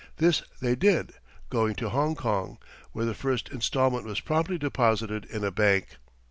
This they did, going to Hongkong, where the first instalment was promptly deposited in a bank.